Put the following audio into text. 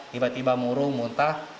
tiba tiba murung muntah